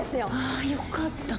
あよかった。